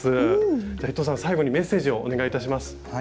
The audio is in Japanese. じゃ伊藤さん最後にメッセージをお願いいたします。